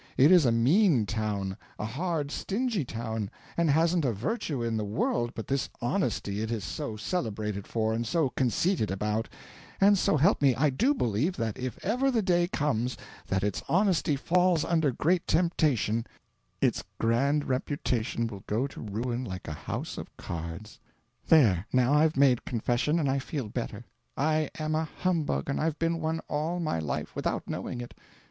It is a mean town, a hard, stingy town, and hasn't a virtue in the world but this honesty it is so celebrated for and so conceited about; and so help me, I do believe that if ever the day comes that its honesty falls under great temptation, its grand reputation will go to ruin like a house of cards. There, now, I've made confession, and I feel better; I am a humbug, and I've been one all my life, without knowing it.